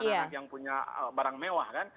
anak anak yang punya barang mewah kan